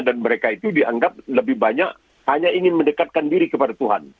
dan mereka itu dianggap lebih banyak hanya ingin mendekatkan diri kepada tuhan